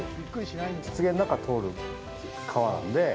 湿原の中を通る川なんで。